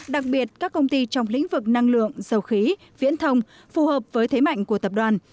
đặc biệt các công ty trong lĩnh vực năng lượng dầu khí viễn thông phù hợp với thế mạnh của tập đoàn